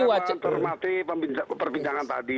pemimpin terima kasih pembincang pembincang tadi